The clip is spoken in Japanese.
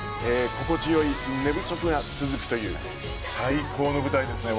心地よい寝不足が続くという最高の舞台ですね